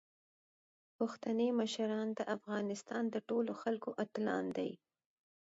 پښتني مشران د افغانستان د ټولو خلکو اتلان دي.